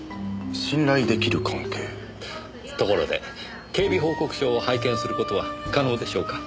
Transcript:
ところで警備報告書を拝見する事は可能でしょうか？